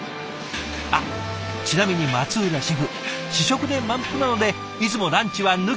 あっちなみに松浦シェフ試食で満腹なのでいつもランチは抜きだそうです。